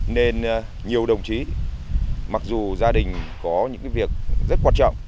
nên nhiều đồng chí mặc dù gia đình có những việc rất quan trọng